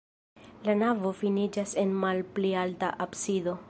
La navo finiĝas en malpli alta absido.